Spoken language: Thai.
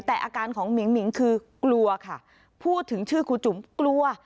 แต่อาการของหมิ่งหิงคือกลัวค่ะพูดถึงชื่อครูจุ๋มกลัว